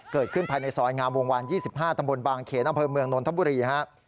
เกิดขึ้นภายในซอยงามวงวาน๒๕ตบบางเขนอเมืองนนทบุรี